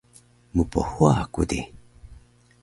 Mphuwa ku di?